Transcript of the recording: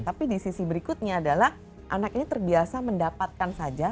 tapi di sisi berikutnya adalah anak ini terbiasa mendapatkan saja